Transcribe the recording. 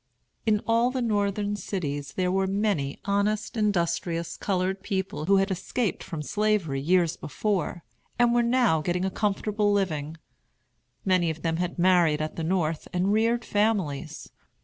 In all the Northern cities there were many honest, industrious colored people who had escaped from Slavery years before, and were now getting a comfortable living. Many of them had married at the North and reared families.